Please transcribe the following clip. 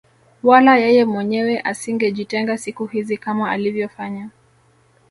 Wala yeye mwenyewe asingejitenga siku hizi kama alivyofanya